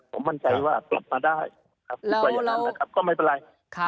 ผมมั่นใจว่ากลับมาได้นะครับก็ไม่เป็นไร